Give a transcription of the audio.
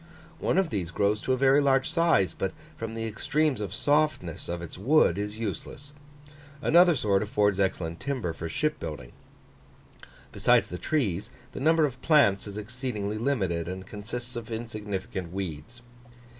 One of these grows to a very large size, but from the extremes of softness of its wood, is useless; another sort affords excellent timber for ship building. Besides the trees, the number of plants is exceedingly limited, and consists of insignificant weeds.